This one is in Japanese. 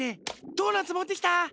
ドーナツもってきた？